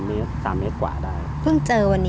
เพิ่งเจอวันนี้หรือครับ